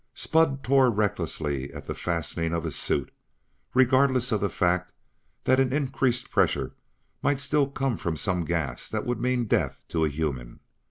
Spud tore recklessly at the fastening of his suit, regardless of the fact that an increased pressure might still come from some gas that would mean death to a human.